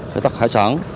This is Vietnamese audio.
phải tắt hải sản